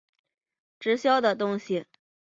直销的东西